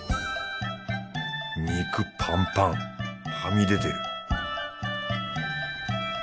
肉パンパンはみ出てる